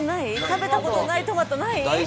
食べた事ないトマトない？